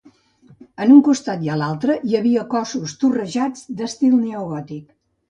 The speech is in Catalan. En un costat i a l'altre, hi havia cossos torrejats d'estil neogòtic.